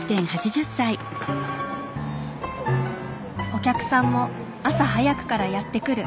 お客さんも朝早くからやって来る。